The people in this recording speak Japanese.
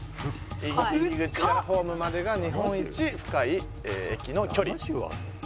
入り口からホームまでが日本一深い駅の距離。